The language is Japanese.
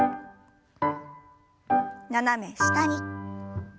斜め下に。